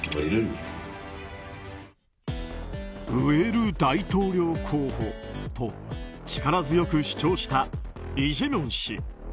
植える大統領候補と力強く主張したイ・ジェミョン氏。